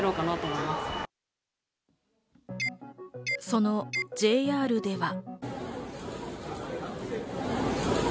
そのＪＲでは。